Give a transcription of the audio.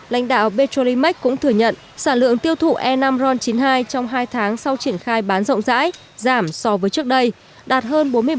lãnh đạo petrolimax cũng thừa nhận sản lượng tiêu thụ e năm ron chín mươi hai trong hai tháng sau triển khai bán rộng rãi giảm so với trước đây đạt hơn bốn mươi một